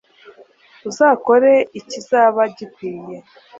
uzakore ikizaba gikwiye